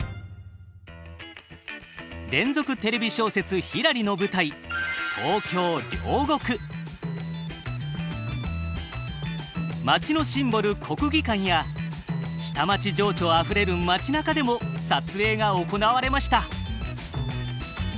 連続テレビ小説「ひらり」の舞台町のシンボル国技館や下町情緒あふれる町なかでも撮影が行われました。